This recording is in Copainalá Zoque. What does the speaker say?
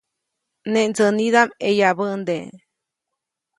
Neʼ ndsänidaʼm ʼeyabände.